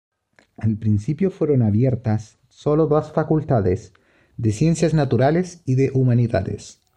Al principio, fueron abiertas sólo dos facultades: de ciencias naturales y de humanidades.